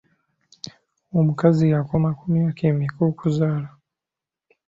Omukazi akoma ku myaka emeka okuzaala?